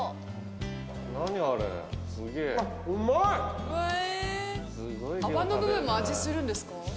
泡の部分も味するんですか？